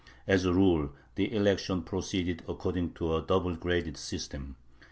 As a rule the election proceeded according to a double graded system.